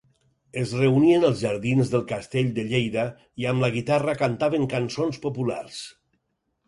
Es reunien als jardins del castell de Lleida i amb la guitarra cantaven cançons populars.